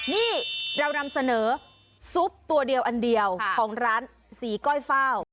นี่เรานำเสนอซุปตัวเดียวอันเดียวของร้านสีก้อยเฝ้า